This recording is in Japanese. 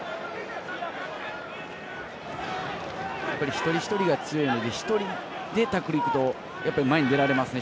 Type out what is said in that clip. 一人一人が強いので１人でタックルにいくと前に出られますね。